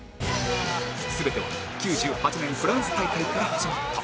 全ては９８年フランス大会から始まった